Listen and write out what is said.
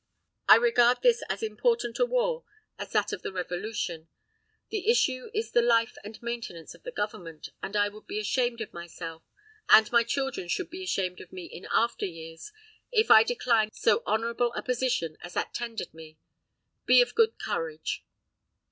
I regard this as important a war as that of the Revolution, the issue is the life and maintenance of the Government, and I would be ashamed of myself, and my children should be ashamed of me in after years, if I declined so honorable a position as that tendered me. Be of good courage."